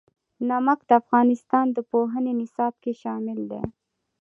نمک د افغانستان د پوهنې نصاب کې شامل دي.